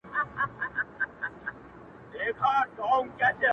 له وړو او له لویانو لاري ورکي!!